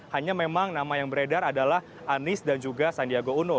hanya memang nama yang beredar adalah anies dan juga sandiaga uno